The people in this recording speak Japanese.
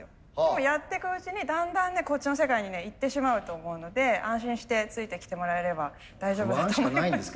もうやってくうちにだんだんねこっちの世界にね行ってしまうと思うので安心してついてきてもらえれば大丈夫だと思います。